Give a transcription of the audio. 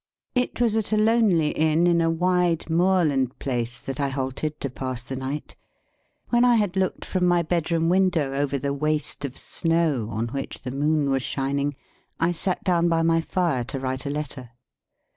It was at a lonely Inn in a wide moorland place, that I halted to pass the night. When I had looked from my bedroom window over the waste of snow on which the moon was shining, I sat down by my fire to write a letter.